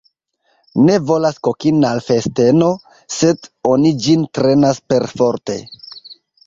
Ne volas kokin' al festeno, sed oni ĝin trenas perforte.